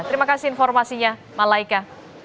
terima kasih informasinya malaika